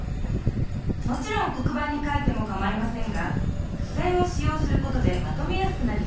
もちろん黒ばんに書いてもかまいませんがふせんをし用することでまとめやすくなります。